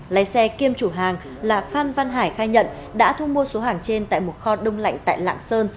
lái xe kiêm chủ hàng là phan văn hải khai nhận đã thu mua số hàng trên tại một kho đông lạnh tại lạng sơn